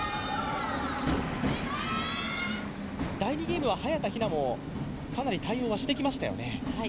第２ゲームは早田ひなもかなり対応はしてきましたよね。